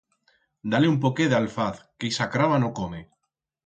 Da-le un poquet d'alfalz que ixa craba no come.